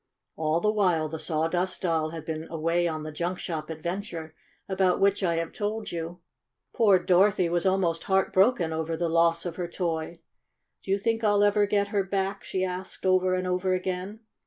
All the while the Sawdust Doll had been away on the junk shop adventure, about which I have told you, poor Dorothy was almost heart broken over the loss of her toy. "Do you think I'll ever get her back?" she asked over and over again.